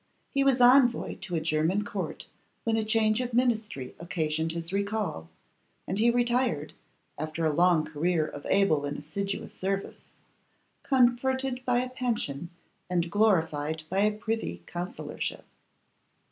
He was envoy to a German court when a change of ministry occasioned his recall, and he retired, after a long career of able and assiduous service, comforted by a pension and glorified by a privy councillorship.